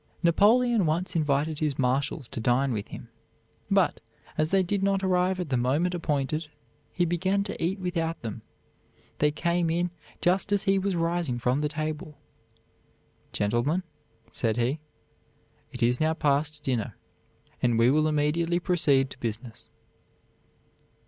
Napoleon once invited his marshals to dine with him, but, as they did not arrive at the moment appointed, he began to eat without them. They came in just as he was rising from the table. "Gentlemen," said he, "it is now past dinner, and we will immediately proceed to business."